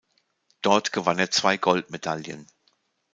Dort gewann er zwei Goldmedaillen.